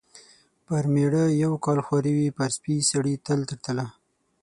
پر مېړه یو کال خواري وي، پر سپي سړي تل تر تله.